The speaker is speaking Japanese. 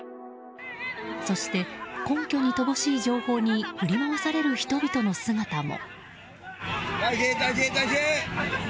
そして、根拠に乏しい情報に振り回される人々の姿も。